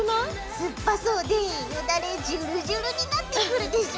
酸っぱそうでよだれジュルジュルになってくるでしょ？